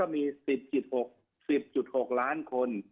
มี๑๐๖๐๖ล้านคน